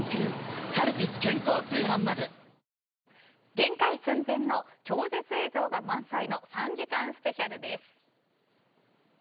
限界寸前の超絶映像が満載の３時間スペシャルです。